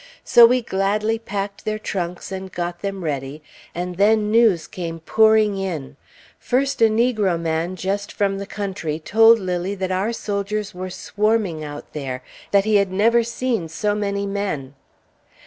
So we gladly packed their trunks and got them ready, and then news came pouring in. First a negro man just from the country told Lilly that our soldiers were swarming out there, that he had never seen so many men.